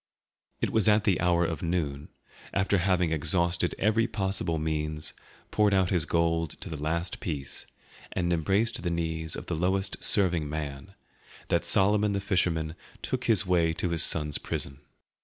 It was at the hour of noon, after having exhausted every possible means, poured out his gold to the last piece, and embraced the knees of the lowest serving man, that Solomon the fisherman took his way to his son's prison.